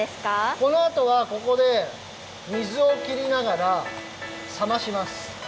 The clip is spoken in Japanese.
このあとはここで水をきりながらさまします。